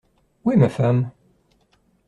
Où est ma femme ?